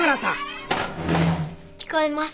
聞こえます。